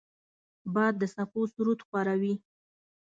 باد د څپو سرود خواره وي